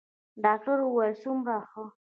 ډاکتر وويل څومره ښه.